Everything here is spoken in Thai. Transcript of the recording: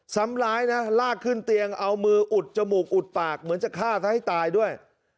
ซ้ำร้ายนะลากขึ้นเตียงเอามืออุดจมูกอุดปากเหมือนจะฆ่าซะให้ตายด้วย